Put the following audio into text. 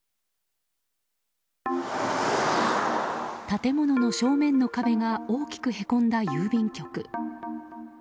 建物の正面の壁が大きくへこんだ郵便局。